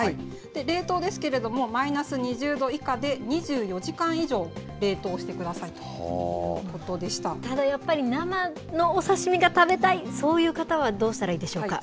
冷凍ですけれども、マイナス２０度以下で２４時間以上冷凍してくださいということでただやっぱり、生のお刺身が食べたい、そういう方はどうしたらいいでしょうか。